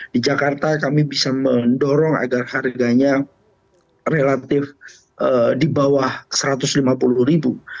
di jakarta kami bisa mendorong agar harganya relatif di bawah rp satu ratus lima puluh